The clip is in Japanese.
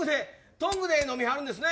トングで飲みはるんですね。